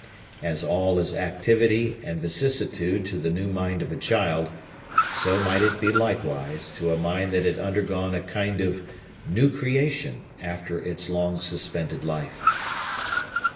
As all is activity and vicissitude to the new mind of a child, so might it be, likewise, to a mind that had undergone a kind of new creation, after its long suspended life.